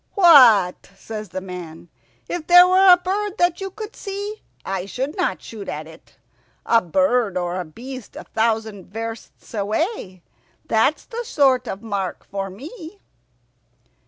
"What!" says the man. "If there were a bird that you could see, I should not shoot at it. A bird or a beast a thousand versts away, that's the sort of mark for me."